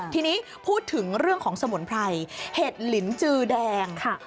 ทีนี้พูดถึงเรื่องของสมุนไพรเห็ดลินจือแดง